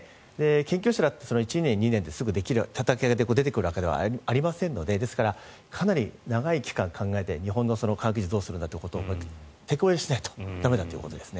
研究者だって１年２年でたたき上げで出てくるわけではありませんのでですから、かなり長い期間考えて日本の科学技術に対しててこ入れしないと駄目だということです。